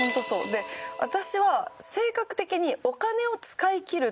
で私は性格的に。